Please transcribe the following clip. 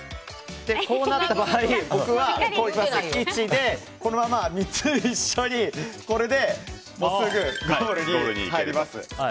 こうなった場合、僕は１でこのまま３つ一緒にこれですぐ、ゴールに入ります。